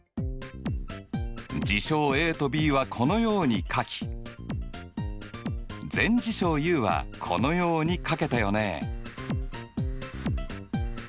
事象ＡとＢはこのように書き全事象Ｕはこのように書けたよね。